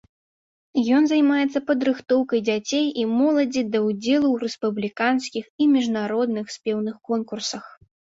Ён займаецца падрыхтоўкай дзяцей і моладзі да ўдзелу ў рэспубліканскіх і міжнародных спеўных конкурсах.